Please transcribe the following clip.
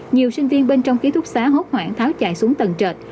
nhiều sinh viên bên trong ký thúc xá hốt hoảng tháo chạy xuống tầng trệt